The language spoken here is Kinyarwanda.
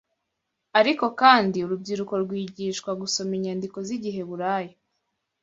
ariko kandi urubyiruko rwigishwaga gusoma inyandiko z’Igiheburayo